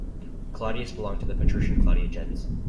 Claudius belonged to the patrician Claudia gens.